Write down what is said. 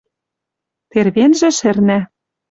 Тервенжӹ шӹрнӓ.